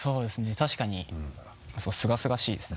確かにすごいすがすがしいですね。